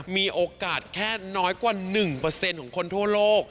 มีโอกาสแค่น้อยกว่า๑ของคนทั่วโลก